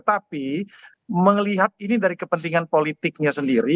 tapi melihat ini dari kepentingan politiknya sendiri